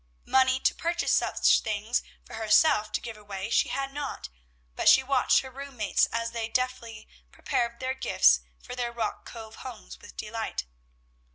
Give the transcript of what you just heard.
Money to purchase such things for herself to give away she had not, but she watched her room mates, as they deftly prepared their gifts for their Rock Cove homes, with delight.